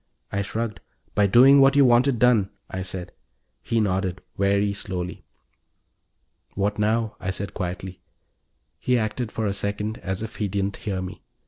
I shrugged. "By doing what you wanted done," I said. He nodded, very slowly. "What now?" I said quietly. He acted, for a second, as if he didn't hear me.